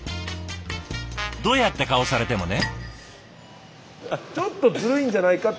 ドヤって顔されてもね？